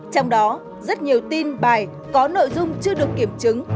trong đó rất nhiều tin bài có nội dung chưa được kiểm chứng